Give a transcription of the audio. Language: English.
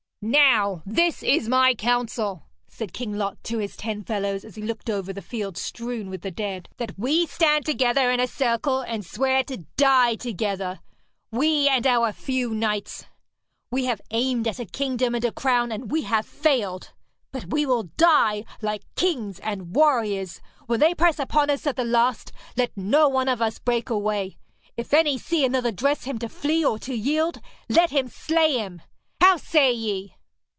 'Now, this is my counsel,' said King Lot to his ten fellows, as he looked over the field strewn with the dead: 'that we stand together in a circle and swear to die together we and our few knights. We have aimed at a kingdom and a crown, and we have failed. But we will die like kings and warriors. When they press upon us at the last, let no one of us break away. If any see another dress him to flee or to yield, let him slay him. How say ye?'